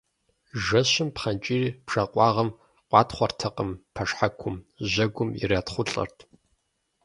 Жэщым пхъэнкӀийр бжэкъуагъым къуатхъуэртэкъым пэшхьэкум, жьэгум иратхъулӀэрт.